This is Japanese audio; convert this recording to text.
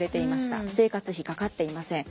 生活費かかっていません。